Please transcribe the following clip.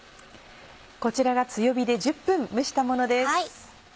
こちらが強火で１０分蒸したものです。